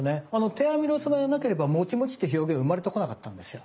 低アミロース米がなければモチモチって表現生まれてこなかったんですよ。